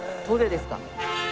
どれですか？